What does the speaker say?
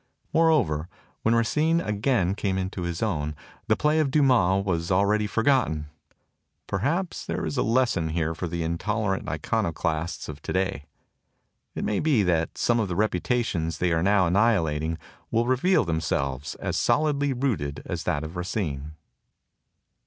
Moreover, when Racine again came into his own the play of 7 THE TOCSIN OF REVOLT Dumas was already forgotten. Perhaps there is a lesson here for the intolerant iconoclasts of today. It may be that some of the reputations they are now annihilating will reveal themselves as solidly rooted as that of Racine.